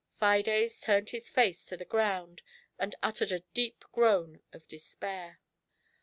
Fides turned his face to the ground, and uttered a deep groan of despair.